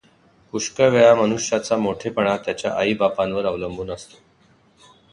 पुष्कळ वेळा मनुष्याचा मोठेपणा त्याच्या आईबापांवर अवलंबून असतो.